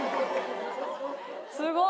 すごい！